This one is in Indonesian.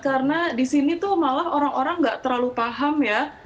karena disini tuh malah orang orang enggak terlalu paham ya